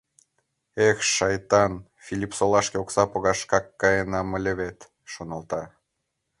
«Эх, шайтан, Филиппсолашке окса погаш шкак каенам ыле вет», — шоналта.